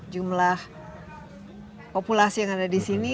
jumlah populasi yang ada disini